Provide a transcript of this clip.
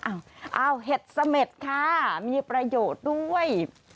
เอาเห็ดเสม็ดค่ะมีประโยชน์ด้วย